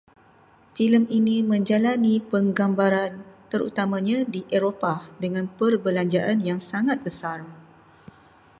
Filem ini menjalani penggambaran terutamanya di Eropah, dengan perbelanjaan yang sangat besar